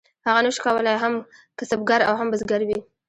هغه نشو کولی هم کسبګر او هم بزګر وي.